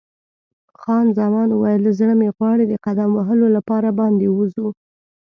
خان زمان وویل: زړه مې غواړي د قدم وهلو لپاره باندې ووځو.